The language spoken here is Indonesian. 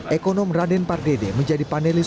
ekonom raden pardede menjadi panelis